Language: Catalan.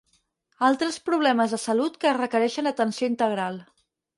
Altres problemes de salut que requereixen atenció integral.